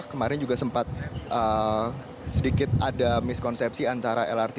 kemarin juga sempat sedikit ada miskonsepsi antara lrt jakarta dan lrt jakarta